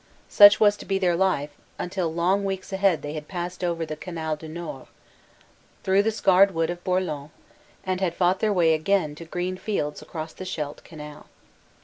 Such was to be their life until long weeks ahead they had passed over the Canal du Nord, through the scarred wood of Bourlon, and had fought their way again to green fields across the Scheldt Canal.